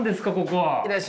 ここは。